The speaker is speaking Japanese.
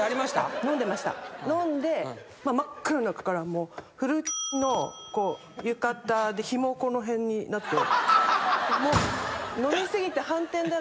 飲んで真っ暗な中からもうフルの浴衣でひもこの辺になって。